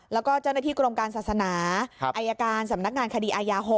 แล้วก็เจ้าหน้าที่กรมการศาสนาอายการสำนักงานคดีอายา๖